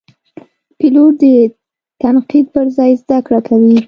پیلوټ د تنقید پر ځای زده کړه کوي.